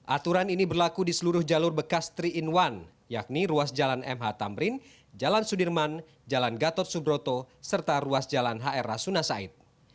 aturan ini berlaku di seluruh jalur bekas tiga in satu yakni ruas jalan mh tamrin jalan sudirman jalan gatot subroto serta ruas jalan hr rasuna said